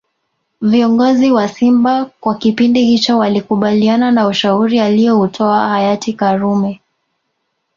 Viongozi wa simba kwa kipindi hicho walikubaliana na ushauri alioutoa hayati karume